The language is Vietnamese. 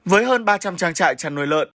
với hơn ba trăm linh trang trại chăn nuôi lợn